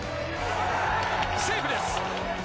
セーフです。